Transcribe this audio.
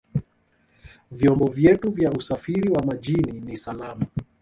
vyombo vyetu vya usafiri wa majini ni salama